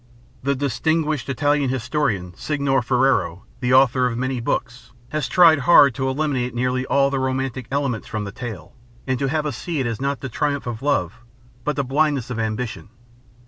The distinguished Italian historian, Signor Ferrero, the author of many books, has tried hard to eliminate nearly all the romantic elements from the tale, and to have us see in it not the triumph of love, but the blindness of ambition.